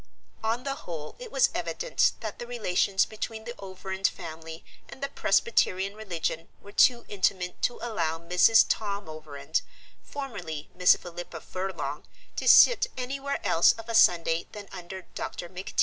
On the whole it was evident that the relations between the Overend family and the presbyterian religion were too intimate to allow Mrs. Tom Overend, formerly Miss Philippa Furlong, to sit anywhere else of a Sunday than under Dr. McTeague.